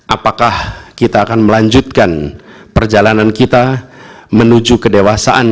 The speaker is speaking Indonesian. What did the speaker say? apakah kita akan melanjutkan perjalanan kita menuju kedewasaan